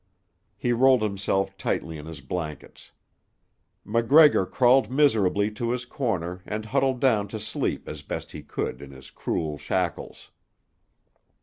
He rolled himself tightly in his blankets. MacGregor crawled miserably to his corner and huddled down to sleep as best he could in his cruel shackles.